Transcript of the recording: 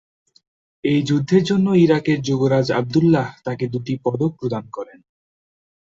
এই যুদ্ধের জন্য ইরাকের যুবরাজ আবদুল্লাহ তাকে দুটি পদক প্রদান করেন।